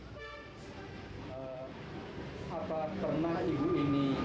tapi saya merasa tak berhenti